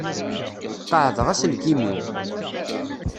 Qaεdeɣ aselkim-iw.